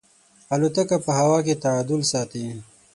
الوتکه په هوا کې تعادل ساتي.